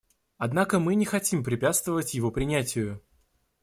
Однако мы не хотим препятствовать его принятию.